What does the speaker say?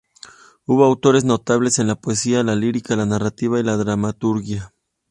Hubo autores notables en la poesía, la lírica, la narrativa y la dramaturgia.